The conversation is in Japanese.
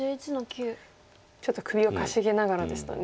ちょっと首をかしげながらでしたね